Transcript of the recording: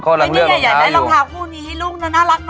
ไม่ที่จะใหญ่น่ะรองเท้าคู่หนี้น่ารักเนาะ